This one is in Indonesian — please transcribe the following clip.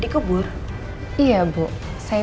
gagalanmu apa ya